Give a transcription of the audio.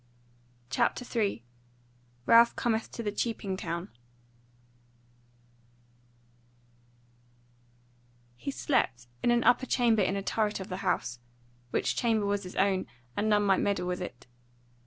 CHAPTER 3 Ralph Cometh to the Cheaping Town He slept in an upper chamber in a turret of the House, which chamber was his own, and none might meddle with it.